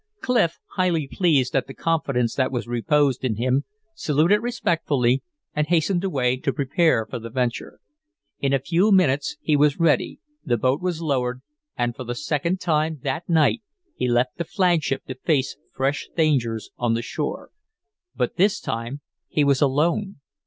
Clif, highly pleased at the confidence that was reposed in him, saluted respectfully and hastened away to prepare for the venture. In a few minutes he was ready, the boat was lowered, and for the second time that night he left the flagship to face fresh dangers on the shore. But this time he was alone.